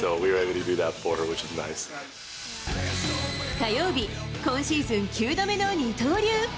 火曜日、今シーズン９度目の二刀流。